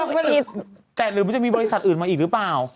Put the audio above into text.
แต่อาจลืมว่ามีบริษัทอื่นมาอีกหรือเปล่า